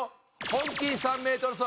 本気で３メートル走！